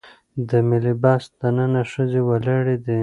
د ملي بس دننه ښځې ولاړې دي.